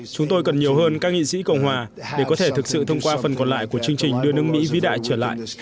chúng tôi cần nhiều hơn các nghị sĩ cộng hòa để có thể thực sự thông qua phần còn lại của chương trình đưa nước mỹ vĩ đại trở lại